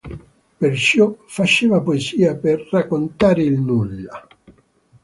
Perciò, faceva poesia “"per raccontare il nulla"”.